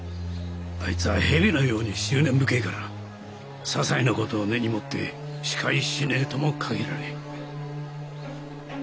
あいつは蛇のように執念深えからささいな事を根に持って仕返ししねえとも限らねえ。